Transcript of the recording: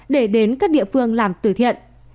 để đến các địa phương làm tử thiện